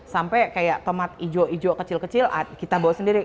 sampai kayak tomat hijau hijau kecil kecil kita bawa sendiri